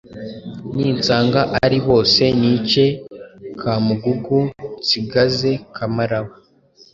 Ninsanga ari bose nice Kamugugu nsigaze Kamaraba